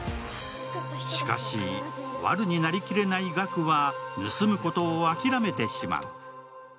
しかし、ワルになりきれないガクは盗むことを諦めてしまう。